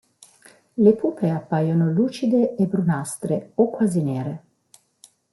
Le pupe appaiono lucide e brunastre o quasi nere.